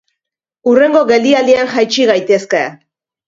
Hurrengo geldialdian jaitsi gaitezke.